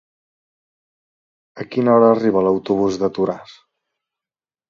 A quina hora arriba l'autobús de Toràs?